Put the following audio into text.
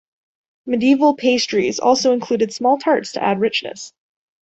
Medieval pastries also included small tarts to add richness.